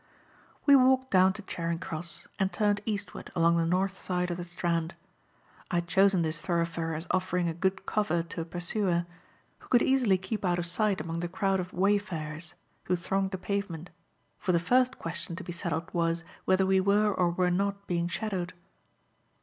We walked down to Charing Cross and turned eastward along the north side of the Strand. I had chosen this thoroughfare as offering a good cover to a pursuer, who could easily keep out of sight among the crowd of way farers who thronged the pavement for the first question to be settled was whether we were or were not being shadowed.